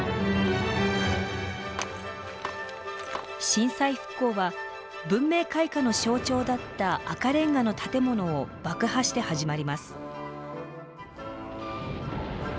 震災復興は文明開化の象徴だった赤レンガの建物を爆破して始まります。